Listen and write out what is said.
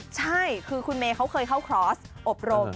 ใช่คือคุณเมย์เขาเคยเข้าคลอสอบรม